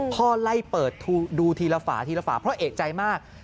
พ่อไล่เปิดดูทีละฝาทีละฝาเพราะเอกใจมาก